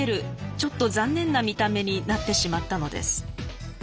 ちょっと残念な見た目になってしまったのです。